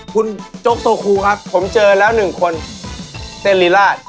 คุณโจ๊กโซคูครับผมเจอแล้วหนึ่งคนเต้นรีราช